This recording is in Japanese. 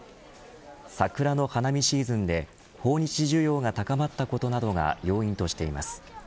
桜の花見シーズンで訪日需要が高まったことなどが要因としています。